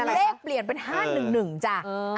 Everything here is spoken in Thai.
เลขเปลี่ยนเป็น๕๑๑จ้ะ